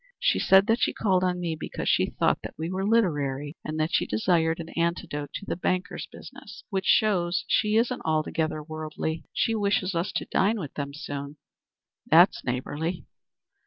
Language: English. She said that she called on me because she thought that we were literary, and that she desired an antidote to the banker's business, which shows she isn't altogether worldly. She wishes us to dine with them soon." "That's neighborly."